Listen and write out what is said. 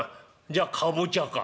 「じゃ『かぼちゃ』か」。